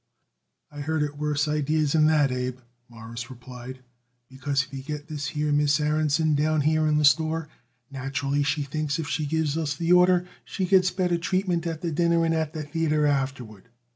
"I heard it worse idees than that, Abe," Morris replied; "because if you get this here Miss Aaronson down here in the store, naturally, she thinks if she gives us the order she gets better treatment at the dinner and at the theayter afterward."